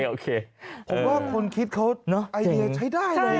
ผมว่าคุณคิดเขาไอเดียใช้ได้เลย